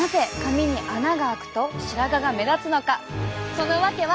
その訳は。